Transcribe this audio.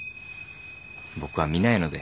僕は見ないので。